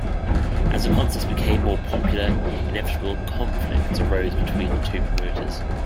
As the concerts became more popular, inevitable "conflicts" arose between the two promoters.